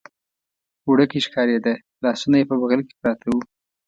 وړوکی ښکارېده، لاسونه یې په بغل کې پراته و.